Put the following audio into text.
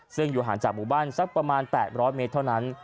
ซึ่งอยู่ห่างจากหมู่บ้านสักประมาณ๘๐๐เมตรเท่านั้น